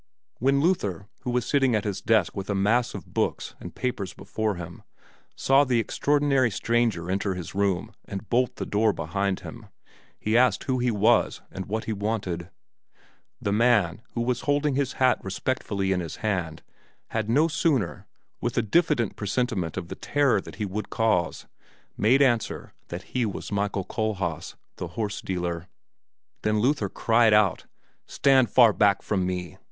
When Luther, who was sitting at his desk with a mass of books and papers before him, saw the extraordinary stranger enter his room and bolt the door behind him, he asked who he was and what he wanted. The man, who was holding his hat respectfully in his hand, had no sooner, with a diffident presentiment of the terror that he would cause, made answer that he was Michael Kohlhaas, the horse dealer, than Luther cried out, "Stand far back from me!"